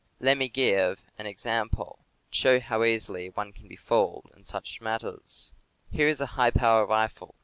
Let me give an ex ample, to show how easily one can be fooled in such matters : Here is a high power rifle.